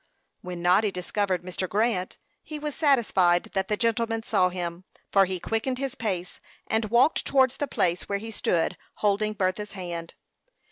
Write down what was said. When Noddy discovered Mr. Grant, he was satisfied that the gentleman saw him, for he quickened his pace, and walked towards the place where he stood holding Bertha's hand.